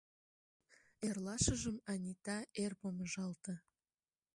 Эрлашыжым Анита эр помыжалте.